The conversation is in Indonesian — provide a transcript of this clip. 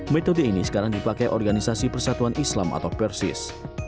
metode ini sekarang dipakai organisasi persatuan islam atau persis